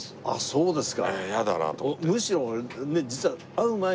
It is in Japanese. そうですか。